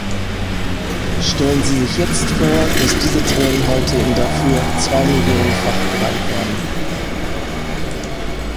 Stellen Sie sich jetzt vor, dass diese Tränen heute in Darfur zweimillionenfach geweint werden.